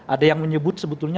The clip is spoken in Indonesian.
ada yang menyebut sebetulnya